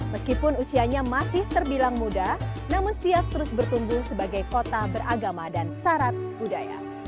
meskipun usianya masih terbilang muda namun siap terus bertumbuh sebagai kota beragama dan syarat budaya